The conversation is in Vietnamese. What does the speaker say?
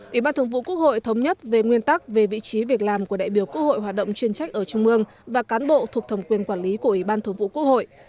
ủy ban thường vụ quốc hội thống nhất về nguyên tắc về vị trí việc làm của đại biểu quốc hội hoạt động chuyên trách ở trung mương và cán bộ thuộc thẩm quyền quản lý của ủy ban thường vụ quốc hội